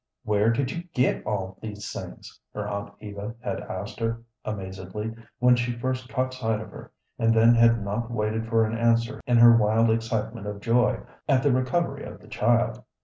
"Where did you get all these things?" her aunt Eva had asked her, amazedly, when she first caught sight of her, and then had not waited for an answer in her wild excitement of joy at the recovery of the child.